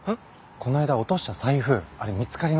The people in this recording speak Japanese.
この間落とした財布あれ見つかりました。